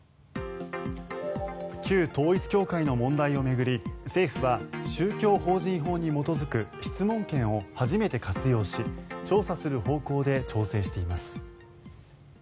旧統一教会の問題を巡り政府は、宗教法人法に基づく質問権を初めて活用し調査する方向で調整しています。